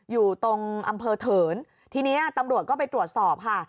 อยู่ตรงอำเภอเถินทีนี้ตำรวจก็ไปตรวจสอบค่ะ